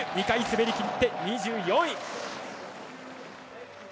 ２回滑りきって２４位。